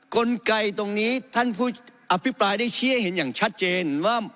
กลไกตรงนี้ท่านผู้อภิปรายได้ชี้ให้เห็นอย่างชัดเจนว่า